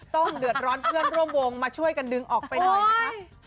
เดือดร้อนเพื่อนร่วมวงมาช่วยกันดึงออกไปหน่อยนะคะ